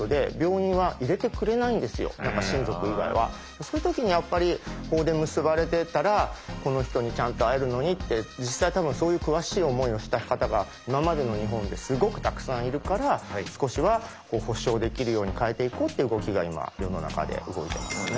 そういう時にやっぱり法で結ばれてたらこの人にちゃんと会えるのにって実際多分そういう悔しい思いをした方が今までの日本ですごくたくさんいるから少しは保障できるように変えていこうっていう動きが今世の中で動いてますね。